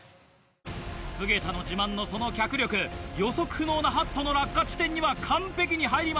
菅田の自慢のその脚力予測不能なハットの落下地点には完璧に入りました。